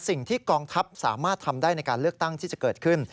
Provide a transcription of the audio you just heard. สิ่งที่กองทัพสามารถทำได้ในการเลือกตั้งที่จะเกิดขึ้น